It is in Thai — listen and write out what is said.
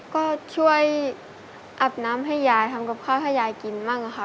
ก็ช่วยอาบน้ำให้ยายทำกับข้าวให้ยายกินบ้างค่ะ